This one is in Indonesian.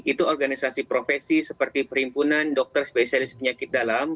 itu organisasi profesi seperti perimpunan dokter spesialis penyakit dalam